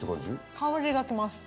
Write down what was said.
香りがきます